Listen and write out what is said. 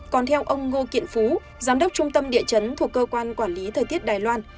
còn theo ông ngô kiện phú giám đốc trung tâm địa chấn thuộc cơ quan quản lý thời tiết đài loan